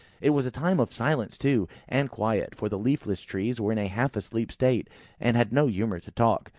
It was a time of silence too, and quiet, for the leafless trees were in a half asleep state, and had no humour to talk.